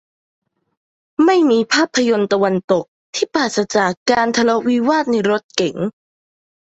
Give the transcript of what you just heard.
ไม่มีภาพยนตร์ตะวันตกที่ปราศจากการทะเลาะวิวาทในรถเก๋ง